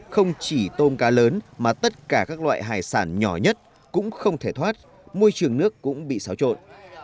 không chỉ tôm cá lớn mà tất cả các loại hải sản nhỏ nhất cũng không thể thoát môi trường nước cũng bị xáo trộn